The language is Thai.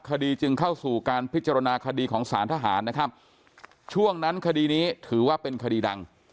คดีจึงเข้าสู่การพิจารณาคดีของสารทหารนะครับช่วงนั้นคดีนี้ถือว่าเป็นคดีดัง